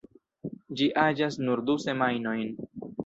Ĝi aĝas nur du semajnojn.